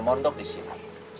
mondok di sini